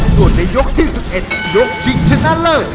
ส่วนในยกที่๑๑ยกชิงชนะเลิศ